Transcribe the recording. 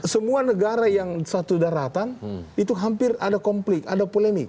semua negara yang satu daratan itu hampir ada konflik ada polemik